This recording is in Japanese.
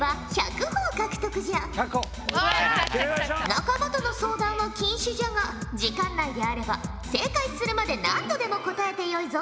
仲間との相談は禁止じゃが時間内であれば正解するまで何度でも答えてよいぞ！